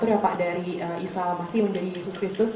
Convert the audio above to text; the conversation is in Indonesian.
nomenklatur ya pak dari islam masih menjadi yesus kristus